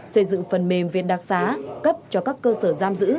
xây dựng phần mềm viện đặc sá cấp cho các cơ sở giam giữ